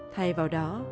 thay vào đó